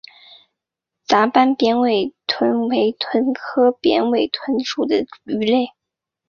杂斑扁尾鲀为鲀科扁尾鲀属的鱼类。